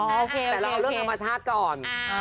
โอเคแต่เราเอาเรื่องธรรมชาติก่อน